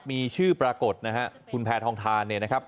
มีชื่อปรากฏนะฮะคุณแพทองทานเนี่ยนะครับ